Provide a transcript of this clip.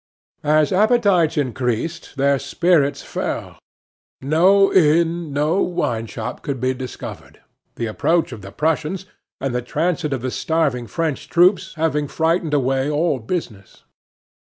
As appetites increased, their spirits fell; no inn, no wine shop could be discovered, the approach of the Prussians and the transit of the starving French troops having frightened away all business.